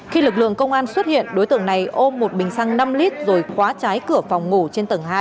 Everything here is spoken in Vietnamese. khi lực lượng công an xuất hiện đối tượng này ôm một bình xăng năm lít rồi khóa trái cửa phòng ngủ trên tầng hai